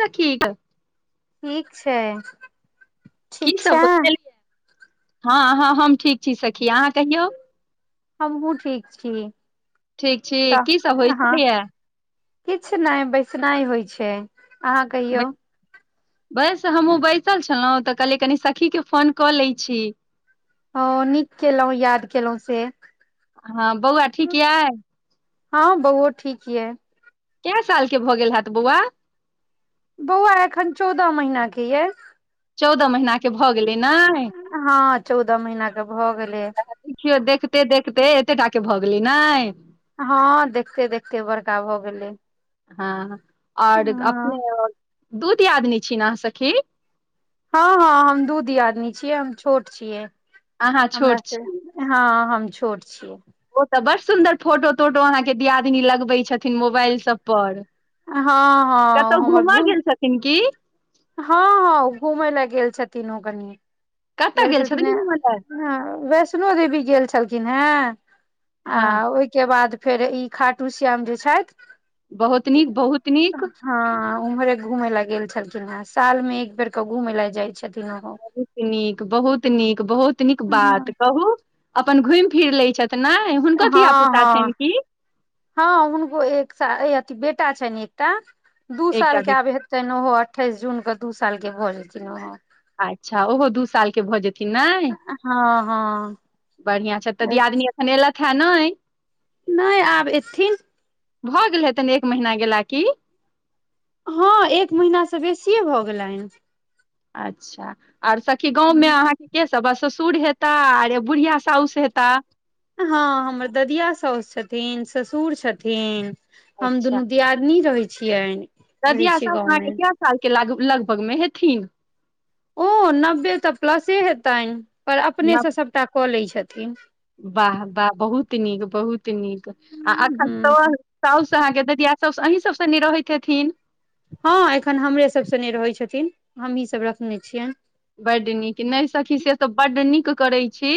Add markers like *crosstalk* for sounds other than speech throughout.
तऽ ठीक ठीक छै, की ठीक छै सब हो छलियै हँ हँ हम ठीक छी सखी अहाँ कहियौ। हमहुँ ठीक छी, ठीक छी की सब होइ तऽ हँ छलैये किछु नहि बैसनाइ होइ छै अहाँ कहियौ, बस हमहुँ बैसल छलहुँ तऽ कहलियै कनि सखीके फोन कऽ लैत छी, ह नीक केलहुँ याद केलहुँ से हँ बौआ ठीक अछि हँ बौओ ठीक यै कए साल के भऽ गेल हेत बौआ- बौआ एखन चौदह महिीना के ये चौदह महिीना के भऽ गेलै ने हँ चौदह महीना के भऽ गेलै। देखियौ देखते देखते एते ट के भऽ गेली ने हँ देखते देखते बड़का भ गेल। हँ और अपने दू दियादिन छिने अहाँ स सखि हँ हँ हम दू दियादमी छियै हम छोट छियै अहाँ हमर छोट से छी हँ हम छोट छियै, ओ तऽ बड सुंन्दर फोटो तोटो अहाँके दियादनी लगबे छथिन मोबाइल सब पर हँ हँ, हमर घूम कनकी हँ हँ ओ घुमय लए गेल छथिन ओ कनि कतऽ गेल छलखिन छथिन हे घूमय लए वैष्णो देवी गेल छलखिन हेँ। आ हँ ओहिके बाद फेर ई खाटूश्याम जे छथि बहुत नीक बहुत नीक। हँ उम्हरे घूमे लए गेल छलखिन हे साल मे एक बेर के घूमेय लए जाय छथिन ओ बहुत नीक बहुत नीक बहुत नीक बात कहू अपन घुमि फिर लै छथि ने हुनको धिया हँ पुता हँ। छनि कि हँ हुनको एक साल अथ बेटा छनि एकटा दू एकटा साल के आब बेटा हे तेन ओहो अठइस जून के दू साल के भऽ जेथिन ओह अच्छा ओहो दू साल के भऽ जेथिन ने। हँ हँ बढ़िआँ छै तऽ दियादनी एखन अयलथि हेँ नय नय आब एथिन भऽ गेल हेतन एक महीना गेला की हँ एक महिना सँ बेसिये भऽ गेलनि अच्छा आर सखी गाँव में अहाँके के सब ब ससुर हेता आर बुढ़िया साउस हता हँ हमर ददिया सौउसु छथिन ससुर छथिन हम अच्छा दुनू दियादनी रहै छियनि। रहै ददिया छी साह गाँवमे अहाँके कए साल के ल लगभग मे हेथिन ओ नब्बे तऽ प्लसे हेतनि पर अपने सँ सभटा कऽ लैत छथिन। वाह वाह बहुत नीक बहुत नीक आ एखन त हूँ साउस अहाँ के ददिया सौस अही सभ संगे रहैत हेथिन हँ एखन हमरे सभसँ नय रहैत छथिन हमही सभ रखने छियनि बड्ड नीक नय सखी से तऽ बड्ड नीक करैत छी,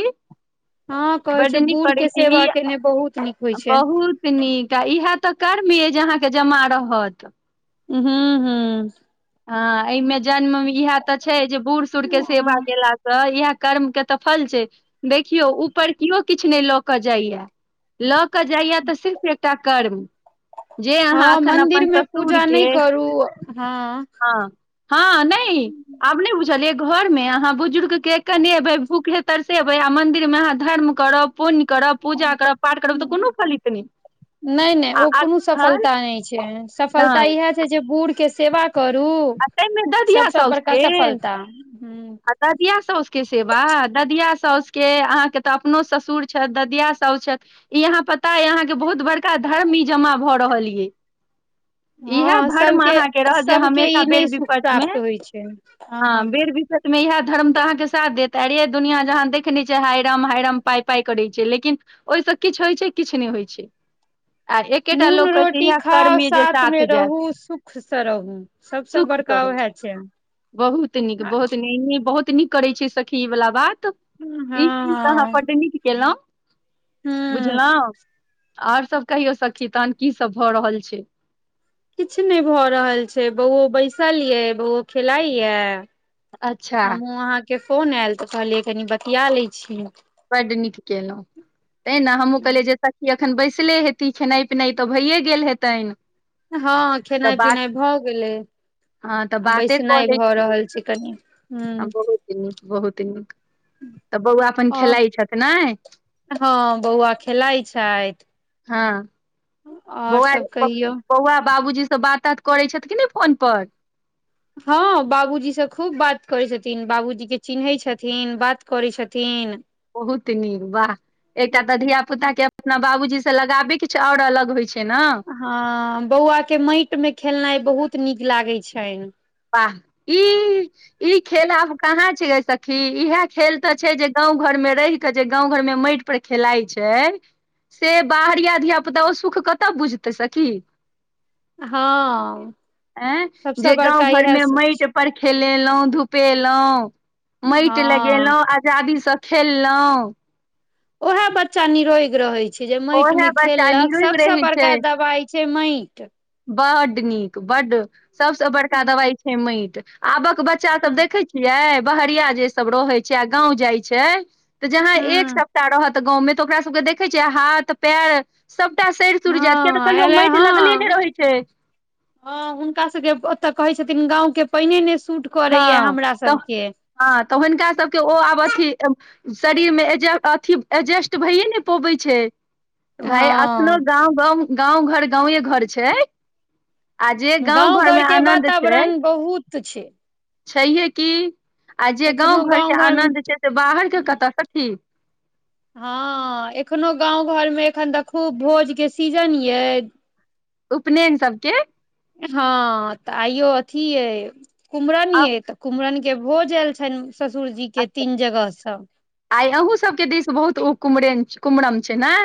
हँ कहै बड्ड छै नीक बूढ़ करै के छी सेवा ई केने बहुत नीक होइ छै, बहुत नीक आ इह तऽ कर्म अ जे अहाँके जमा रहत हू हू हँ एहिमे जन्म इएह तऽ छै जे बूढ़ सूढ़ के सेवा केला तऽ इएह कर्म के तऽ फल छै देखियो ऊपर केो किछु नय लऽ क जाइया लऽ के जाइया तऽ सिर्फ एकटा कर्म जे अहाँ हँ एखन मन्दिर अपन मे ससुर पूजा के नहि करू हँ हँ हँ नय आब नय बुझलियै घरमे अहाँ बुजुर्ग के केने अयबै भूखे तरसँबै आ मन्दिर मे अहाँ धर्म करब पुण्य करब पूजा करब पाठ करब तऽ कोनो फलित नय नय नय ओ कोनो सफलता नय छै सफलता नहि इएह जे बूढ़ के सेवा करू आ ताहिमे ददिया सबस बड़का सफलता ददियाआ सासु के सेवा ददिया सासु के अहाँ के तऽ अपनो ससुर छथि ददिया सासु छथि इ अहााँ पता य अहाँ के बहुत बड़का धर्म ई जमा भऽ रहल ये इएह हँ धर्म सबके अहाँके रह जे सबके हमे सा ई बेर नहि सुख विपट मे प्राप्त होइ छै हँ बेर विपत हिमे इएह धर्म तऽ अहाँके साथ देत आर दुनिआँ जहाँ देखने छियै हाय राम हाय राम पाइ पाइ करै छै लेकिन ओहिसँ किछु होइत छै किछु नय होइत छै आ एकेटा नून लोक कहै छै रोटी इएह कर्म खाउ य जे साथ मे जायत रहू सुख सँ रहू सबसँ सुख स बड़का रहु उएह छै बहुत नीक हँ बहुत इ बहुत नीक करै छै सखी इ वला बात ई चीज त अहाँ ह बड्ड नीक केलहु बुझलहुँ आर सब कहियो सखी तान की सब भऽ रहल छै किछु नय भऽ रहल छै बौओ बैसल ये बौ खेलाइ यए अच्छा हमहूँ अहाँके फोन आयल तऽ कहलियै कनि बतिया लै छीय ब्ड निक कलहु तैँ ने हमहँ कहलियै जे सखी एखन बैसले हेती खेनाइ पिनाइ तऽ भइए गेल हेतैं हँ खेनाइ पीनाइ भऽ गेल गेलइ हँ तऽ बाते कऽ बैसनाइ लै भऽ छी रहल छै कनि हूँ बहुत नीक बहुत नीक तऽ बौआ अपन आ खेलाइ छथ ने हँ बौआ खेलाय छैथ हँ बौआ सब प कहियौ बौआ बाबूजीसँ बाता तित करै छैथ कि नै फोन पर हँ बाबूजीसँ खूब बात करै छथिन बाबूजी के चिन्है छथिन बात करै छथिन बहुत नीक वाह एकटा तऽ धिया पुता के अपना बाबूजी से लगाबे किछु आओर अलग होइ छै ने हँ बौआ के मैट में खेलनाइ बहुत नीक लागे छैन बाह ई ई खेल आब कहाँ छै सखी इहे खेल ते छै जे गाँं घर में रैह के छै गांव घर में मैटि् पर खेलाय छै से बाहरिया धिया पुता ओ सुख कतऽ बुझतै सखी हँ सबस बड़ घर मे माटि पर खेलेलौ धुपेलौ मैट हँ लगेलौ आ जाादीसँ खेललौ ओएहे बच्चा निरोएग रहै छै छै जे मैट ओहे मे बच्चा खेललक निरोग सभसँ रहै छै बड़का दबाइ छै मैट बड्ड नीक बडड सबसे बड़का दबाय छै मैट आबक बच्चा सब हँ देखै छियै? बहरिया जे सब रहे छै आ गांव जाए छै त जहां एक हँ सप्ताह रहत तऽ गाँवमे तऽ ओकरा सबके देखै छियै हाथ पेर सबटा सैड़ सूर जायत किया तऽ हँ कहियो एले मैट लगले ने रहै छै ह हुनका सबके ओते कहे छथिन गांव के पैने ने सूट हां करैया हमरा तह सबके हां तै हुनका सबके ओ आब अथी शरीर में एजे अथी एजेस्ट भैये नै पोबै छै, भाय अखनो हँ गांव-गम गांव-घर गावे घर छै। आ जे गाँव-घर में आनन्द छै। त छै छहीयै की आ जे एखनो गाँव-घर गाँव के घर मे आनन्द छै से बाहर के कता सखी। हां एखनो गांव-घर में एखन त खूब भोज के सीजन यै। उपनैन सबके? हां त आइयो अथी यै कुम्हरन यै तै कुम्हरन के भोज ऐल छैन ससुर जी के तीन जगह से। आइ अहूँ सबके दिश बहुत ओ कुम्हरेन कुम्हरन छै नै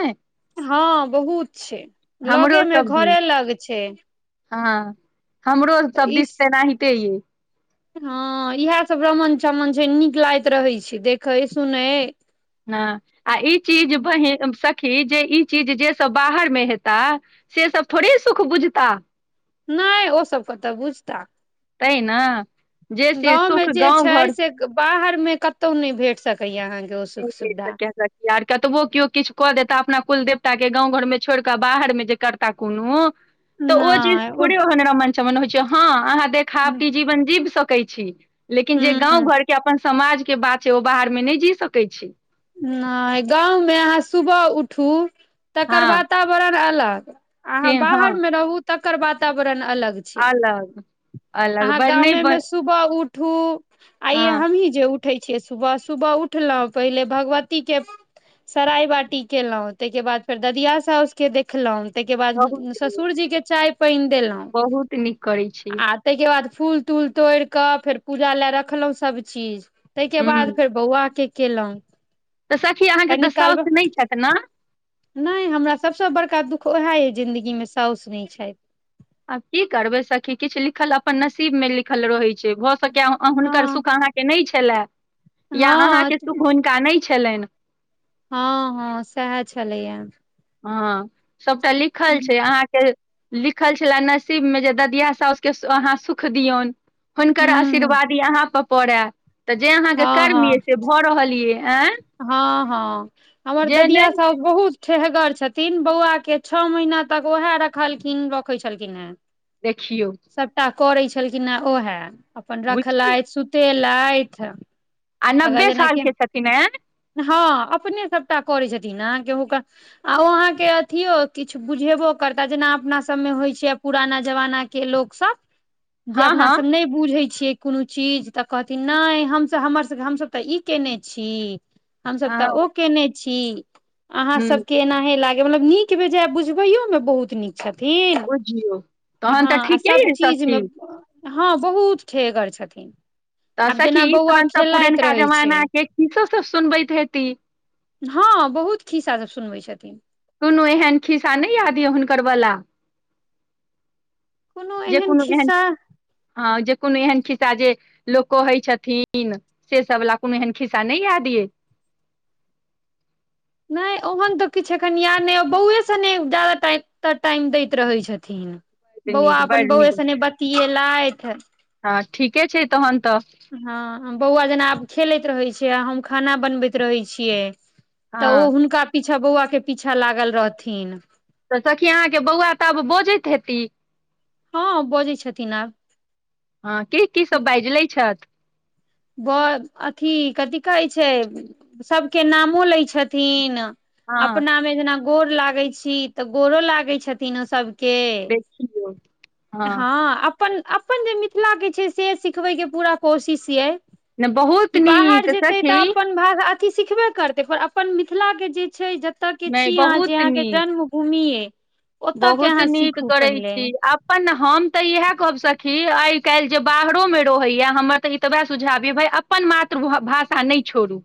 हां बहुत छै, लगे मे घरे लग छै। हां हमरो सब दिस त एनाहिते यै। हां इहे सब रमन-चमन छै, नीक लागैत रहै छै, देखै सुनै हां आ ई चीज बहिन सखी जे ई चीज जे सब बाहर मे हेता से सब थोड़े ई सुख बुझता। नै ओ सब कता बुझता। तै न जे छीयै गाँव मे सुख जे छै गाँव-घर से बाहर मे कतो नै भेट सकय यै अहाँ के ओ सुख सुविधा। यार कतबो कियो किछ क देता अपना कुल देवता के गाँव-घर में छोइड़ के बाहर में जे करता कूनो त ओ चीज नहि ओ थोड़े ओहन रमन चमन होइ छै हा अहाँ देखाबटी जीवन जीब सकै छी लेकिन जे हूँ गाँव-घर के अपन समाज के बात छै ओ बाहर मे नै जी सकै छी नै गाँव में अहाँ सुबह उठू तकर हँ वातावरण अलग से अहाँ बाहर हँ में रहू तकर वातावरण अलग छै अलग-अलग अहाँ बर नै गामे मे बर सुबह उठू आ ये हम्ही जे उठै छिये सुबह सुबह उठलो पहिले भगवती के सराय-बाटी केलौ तै के बाद फेर ददिया सौस के देखलो तै के बाद उम्म बहुत ससुरजी के चाय-पैन देलो बहुत नीक करै छी आ तै के बाद फूल-तूल तोड़ के फेर पूजा लै रखलो सब चीज तै के हुँ बाद फेर बौवा के केलौ। तै सखी अहाँ के तै सौस नै छैथ न नै हमरा सबसे बड़का दुख उहे ए जिन्दगी में सौस नै छैथ। आब की करबै सखी किछ लिखल अपन नसीब में लिखल रहय छै भ सकय यै अह हुनकर हँ सुख अहाँ के नै छलाए या अहाँ हँ के सुख हुनका नै छेलैन। हा-हा सेहा छलै यै। हां सबटा लिखल छै, अहाँ के लिखल छेला नसीब में जे ददिया सौस के अहाँ सुख दियौन। हुनकर हूँ आशीर्वादी अहाँ पर पड़ै तऽ जे अहाँ के कर्म यै से भ रहल यै। हां-हां हमर जे ददिया नहि सौस बहुत ठेहगर छथिन, बउवा के छ महीना तक वहे रहलखिन्ह, रखे छलखिन्ह। हुॅं देखियौ। सबटा करै छलखिन्ह ए ओहे, अपन बुझियौ रखलैथ, सुतेलैथ। आ अगर नब्बे जेनाकि सालके छथिन आँय हां अपने सबटा करै छथिन नै केहु के आ ओ अहाँके अथियो किछु बुझेबो करता जेना अपना सबमे होइ छै पुराना जमाना के, के लोक सब *inaudible* जे अपना हँ सब नै बुझै‌ छियै कुनु चीज त कहथिन नै हम सब हमर हम सब त ई केनै छी, हम सब हँ त ओ केनै छी। अहा हुँ सब के एनाहे लागे मतलब नीक बेजा बुझबयो में बहुत नीक। छथिन बुझियौ तहन हँ तऽ आ ठीके सब यइ चीज मे सखी हँ बहुत ठेहगर छथिन तऽ आब जेना सखी बौआ तहन तऽ खेलाइत पुरनका रहै छै जमाना के कीसो सब सुनबैत हेती। हँ बहुत खिस्सा सब सुनबै छथिन। कोनो एहन खिस्सा नै याद यऽ हुनकर वला। जे कोनो एहन हँ जे कोनो एहन खिस्सा जे लोक कहै छथिन। से सब वला कोनो एहन खिस्सा नै यय द यै। नै ओहन तऽ किछु एखन यएाद नै ओक्ष बौए सने जाादा टाइम दैत रहैत छथिन। बड बौआ नीक अपन बड बौए नीक सने बतएलैथ हँ ठीके छै तहन तऽ। हँ बौआ जेना आब खेलैत रहे छै आ हम खाना बनबैत रहे छियै। तऽ हँ ओ हुनका पीछा बौआ के पीछा लागल रहथिन। तऽ सखी अहाँके बौआ तऽ आब बजैत हेती। हँ बजै छथिन आब। हँ की की सब बैज लै छथि। ब अथी कथि कहै छै सभके नामो लै छथिन। हँ अपना मे जेना गोर लागैत छी तऽ गोरो लागै छथिन ओ सभ देखियौ के हँ अपन जे मिथिला के छै से सिखबय के पूरा कोशिश ये। नहि बहुत कि बाहर नीक जेतै तऽ सखी अपन भाषा अथी सिखबे करतै पर अपन मिथिलाके जे छै। तऽ के नहि छी अहाँ जे बहुत अहाँके नीक जन्म भूमि ये बहुत नीक करै छी आब। अपन हम तऽ इएह कहब सकी आइ काल्हि जे बाहरोमे रहैएा हमर तऽ ई तऽ वएह सुझाबी भा। अपन मातृ भाषा नहि छोड़ू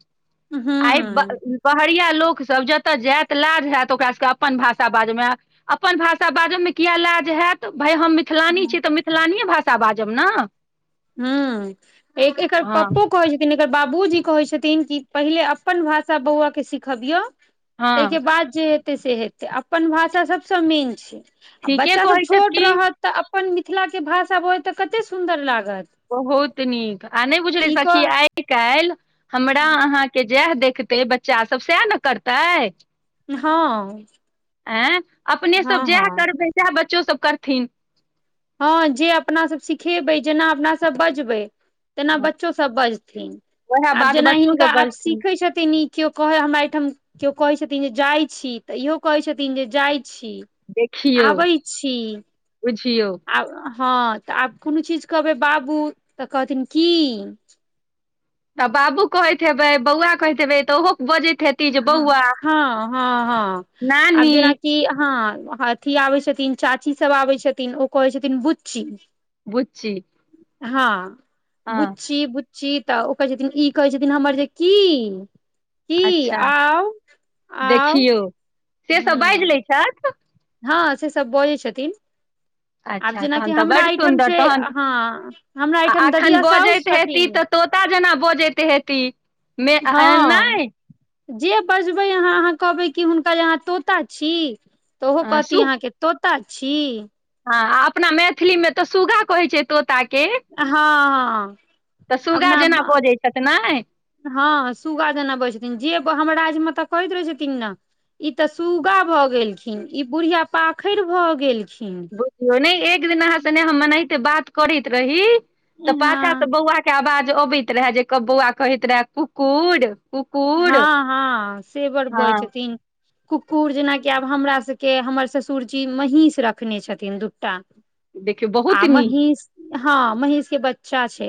आइ। हूँ बहरिया लोक सब जतय जायत लाज होयत ओकरा सबके अपन भाषा बाजमे। अपन भाषा बाजबमे किए लाज हयत भाय हम मिथलानी छी तऽ मिथिलानीए भाषा बाजब ने। ह एक एकर हँ पप्पो। कहै छथिन एकर बाबूजी कहे छथिन कि पहिले अपन भाषा बौआ के सिखबियएऔ हँ ताहिके बाद जे हेतै से हेतै अपन भाषा सभसँ नीक छै। आ ठीके बच्चाभ कहै छथि छोट की रहत तऽ अपन मिथिलाके भाषा बजत तऽ कतेक सुन्दर लागत। बहुत नीक आ नहि बुझले ई क सखी आइ काल्हि हमरा अहाँ। के जएह देखते बच्चा सब सएह ने करतै। हँ अपने सब हँ जएह हँ करबै सएह बच्चो सब करथिन हँ जे अपना सब सिखेबै जेना अपनासभ बजबै। तेना हँ बच्चो सब बजथिन उएह आब बात जेना बच्चो हिनका सब आब बजथिन सीखै छथिन न केओ कहे हमरा एहिठाम केओ कहै छथिन जे जाइ छी तऽ इहो कहै छथिन जे जाइ छी। देखियौ बुझियौ। आब हँ तऽ आब कोनो चीज कहबै बाबू तऽ कहथिन की तऽ बाबू कहैत हेबै बौआ कहैत हेबै तऽ ओहो बजैत हेतै। हँ हँ हँ आब नानी जेनााकि हँ। अथी आबै छथिन चाची सब आबै छथिन ओ कहै छथिन बुच्ची। बु्चि। हँ बुच्ची। छीी तऽ ओ कहे छथिन ई कहे छथिन हमर जे की की अच्छा आउ आउ देखियौ से सब बाजि हूँ लै छथि। हँ से सब बजै छथिन। आब अच्छा जेनाकि तहन तऽ हमरा ब् एहिठाम सुन्दर छै तहन हँ हमरा आ एहिठाम अखन ददिया साउस बजैत हेत ई छथिन तऽ तोता जेना बजैत हेती मे हँ। नहि जे बजबै अह अहाँ कहबै कि हुनकर अहाँ तोता छी तऽ ओहो कहती सु अहाँके। तोता छी, हँ अपना मैथिलीमे तऽ सुगा कहैत छै तोतााके। हँ हँ। तऽ सुूगा जेना अपना बजैत छथि ने हँ सुगा जेनाबजै छथिन जे हमरा राज म ता कहैत रहै छथिन ने इ ते सुूग्गा भए गेलखिन इ बुढ़िया पाखरि भए गेलखिन एक दिन अहाँ से न एहिनाहिते बात करैत रही तऽ हँ पाछा से बौआ के आवाज अबैत रहे जेकर बौआ कहैत रहे कुकुर कुकुर हँ हँ से बड़ बय हँ छथिन कुकुर जेनाकि आब हमरा सभके हमर ससुरजी महीष रखने छथिन दूटा देखियौ बहुत आ नीक महीष हँ महीष के बच्चा छै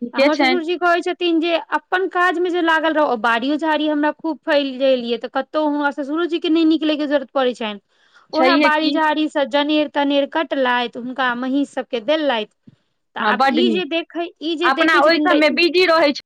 ठीके हमर छनि ससुरजी कहै छथिन जे अपन काज मे जे लागल रह बाड़ियो झाड़ी हमरा खूब फैलि गेल यै तऽ कतहु हुरा ससुर जीके नय निकलैके जरूरत पड़ैत छैन उएहे छैहे बाड़ी की झाड़ीसँ जनेर तनेर कटलैथ हुनका महींष सबके देलथि तऽ हँ आब बड्ड ई नीक जे देखै ई जे अपना देखै ओहि छथिन तऽ *inaudible*